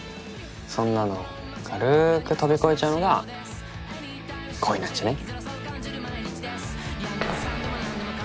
そんなの軽ーく飛び越えちゃうのが恋なんじゃない？